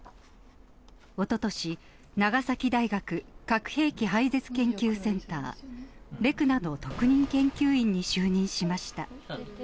おととし、長崎大学核兵器廃絶研究センター・レクナの特任研究員に就任しました。